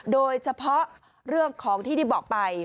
โดยเฉพาะเรื่องของที่ได้บอกไป